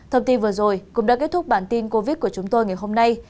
thông tin vừa rồi cũng đã kết thúc bản tin covid của chúng tôi ngày hôm nay